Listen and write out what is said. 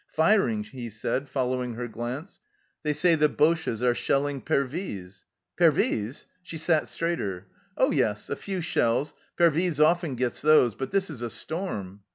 " Firing," he said, following her glance. " They say the Boches are shelling Pervyse." " Pervyse !" She sat straighter. " Oh yes, a few shells, Pervyse often gets those, but this is a storm